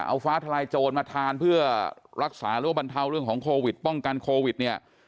เอาฟ้าทลายโจรมาทานเพื่อรักษาหรือว่าบรรเทาเรื่องของโควิดป้องกันโควิดเนี่ย